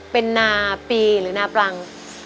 เป็นนาปีหรือนาปรัง